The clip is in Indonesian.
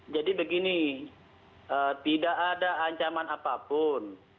jadi begini tidak ada ancaman apapun